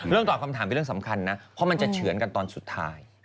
ตอบคำถามเป็นเรื่องสำคัญนะเพราะมันจะเฉือนกันตอนสุดท้าย